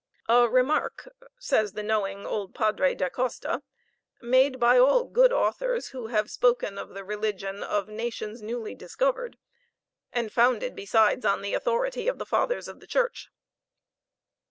"A remark," says the knowing old Padre d'Acosta, "made by all good authors who have spoken of the religion of nations newly discovered, and founded, besides, on the authority of the fathers of the church."